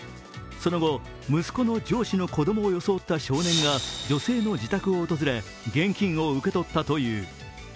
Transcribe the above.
その後、息子の上司の子供を装った少年が女性の自宅を訪れ現金を受け取ったという。